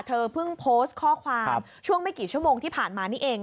เธอเพิ่งโพสต์ข้อความช่วงไม่กี่ชั่วโมงที่ผ่านมานี่เอง